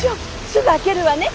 すぐ開けるわね。